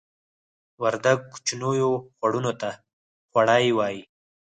وردګ کوچنیو خوړونو ته خوړۍ وایې